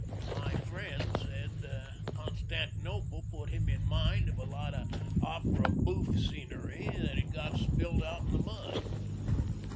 My friend said Constantinople put him in mind of a lot of opera bouffe scenery that had got spilled out in the mud.